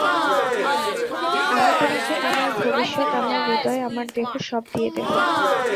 আমি তোমাকে আমার ভবিষ্যৎ, আমার হৃদয়, আমার দেহ সব দিয়ে দেব।